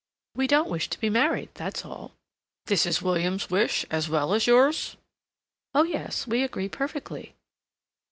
"We don't wish to be married—that's all." "This is William's wish as well as yours?" "Oh, yes. We agree perfectly."